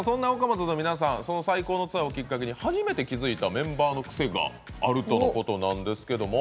’Ｓの皆さん最高のツアーをきっかけに初めて気付いたメンバーの癖があるとのことなんですけども。